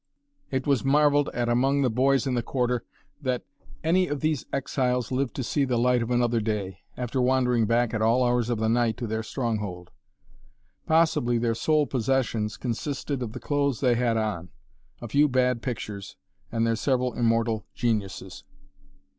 It was marveled at among the boys in the Quarter that any of these exiles lived to see the light of another day, after wandering back at all hours of the night to their stronghold. Possibly their sole possessions consisted of the clothes they had on, a few bad pictures, and their several immortal geniuses.